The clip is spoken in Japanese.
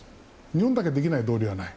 日本だけできない道理はない。